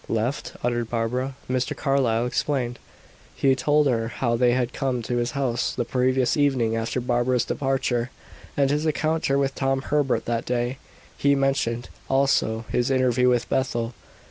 "Left?" uttered Barbara. Mr. Carlyle explained. He told her how they had come to his house the previous evening after Barbara's departure, and his encounter with Tom Herbert that day; he mentioned, also, his interview with Bethel.